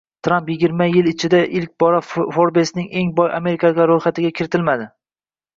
Trampyigirma beshyil ichida ilk bor Forbes’ning eng boy amerikaliklar ro‘yxatiga kiritilmadi